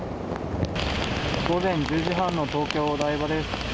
午前１０時半の東京・お台場です。